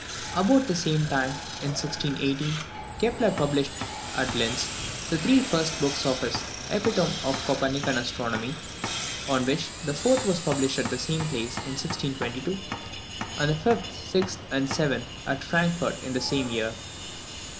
About the same time, in 1618, Kepler published, at Linz, the three first books of his "Epitome of the Copernican Astronomy," of which the fourth was published at the same place in 1622, and the fifth, sixth, and seventh at Frankfort in the same year.